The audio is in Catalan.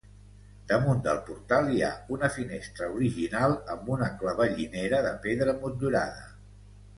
Damunt del portal hi ha una finestra, original amb una clavellinera de pedra motllurada.